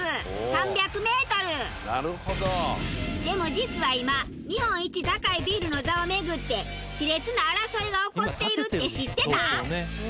でも実は今日本一高いビルの座を巡ってし烈な争いが起こっているって知ってた？